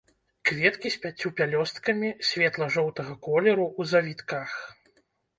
Кветкі з пяццю пялёсткамі, светла-жоўтага колеру, у завітках.